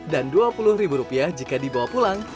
dan dua puluh ribu rupiah jika dibawa pulang